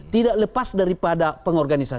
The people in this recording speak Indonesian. tidak lepas daripada pengorganisasian